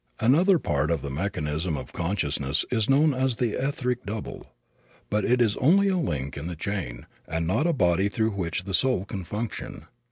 Another part of the mechanism of consciousness is known as the etheric double. But it is only a link in the chain and not a body through which the soul can function.